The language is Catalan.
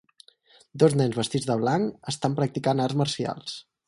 Dos nens vestits de blanc estan practicant arts marcials.